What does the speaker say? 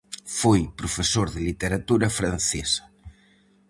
Foi profesor de literatura francesa.